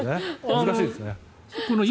難しいですね。